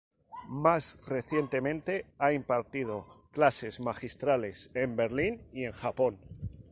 Más recientemente ha impartido clases magistrales en Berlín y en Japón.